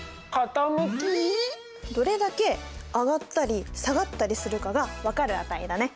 どれだけ上がったり下がったりするかが分かる値だね。